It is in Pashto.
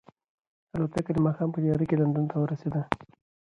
الوتکه د ماښام په تیاره کې لندن ته ورسېده.